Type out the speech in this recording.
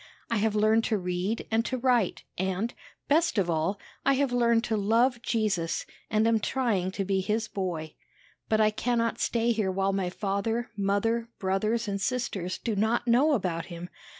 I have learned to read and to write, and, best of all, I have learned to love Jesus, and am trying to be his boy. But I cannot stay here while my father, mother, brothers, and sisters do not know about him.